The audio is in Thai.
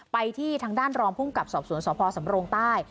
ไปที่ทางด้านรองภูมิกับสอบสวนสพสำรงใต้